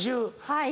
はい。